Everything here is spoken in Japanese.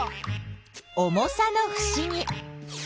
重さのふしぎ。